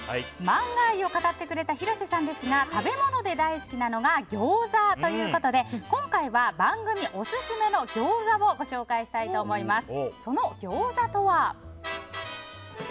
マンガ愛を語ってくれた広瀬さんですが食べ物で大好きなのが餃子ということで今回は番組オススメの餃子をご紹介したいと思います。